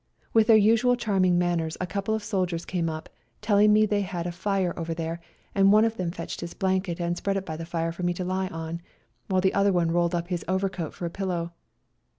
With their usual charming manners a couple of soldiers came up, telling me they had a fire over there, and one of them fetched his blanket and spread it by the fire for me to lie on, while the other one rolled up his overcoat for a pillow.